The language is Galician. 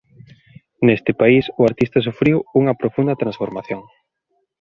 Neste país o artista sufriu unha profunda transformación.